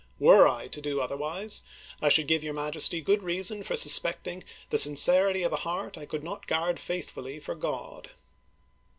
Were I to do otherwise, I should give your Majesty good reason for suspecting the sincerity of a heart I could not guard faithfully for God."